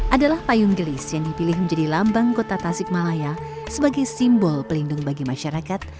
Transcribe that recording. adalah payung gelis yang dipilih menjadi lambang kota tasikmalaya sebagai simbol pelindung bagi masyarakat